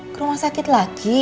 ke rumah sakit lagi